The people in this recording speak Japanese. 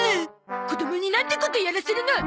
子どもになんてことやらせるの！